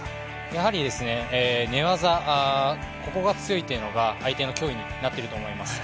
やはり寝技、ここが強いというのが相手の脅威になっていると思います。